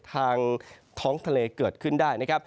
ท้องทะเลเกิดขึ้นได้นะครับ